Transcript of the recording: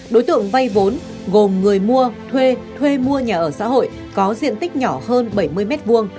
đối tượng vay vốn gồm người mua thuê thuê mua nhà ở xã hội có diện tích nhỏ hơn bảy mươi m hai